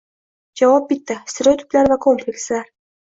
Javob bitta — stereotiplar va komplekslar.